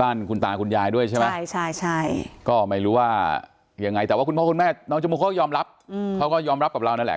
บ้านคุณตาคุณยายด้วยใช่ไหมใช่ใช่ก็ไม่รู้ว่ายังไงแต่ว่าคุณพ่อคุณแม่น้องชมพู่เขายอมรับเขาก็ยอมรับกับเรานั่นแหละ